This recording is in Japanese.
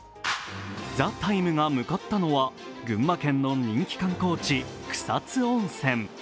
「ＴＨＥＴＩＭＥ，」が向かったのは群馬県の人気観光地・草津温泉。